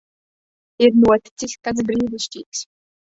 Ir noticis kas brīnišķīgs.